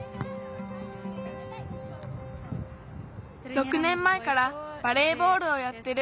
６ねんまえからバレーボールをやってる。